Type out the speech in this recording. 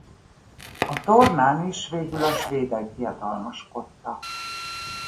A tornán is végül a svédek diadalmaskodtak.